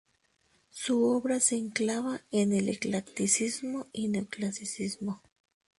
Su obra se enclava en el eclecticismo y el neoclasicismo.